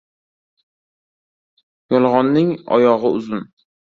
• Yolg‘onning oyog‘i uzun.